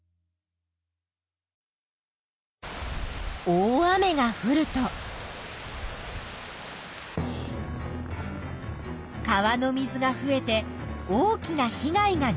大雨がふると川の水が増えて大きな被害が出ることがある。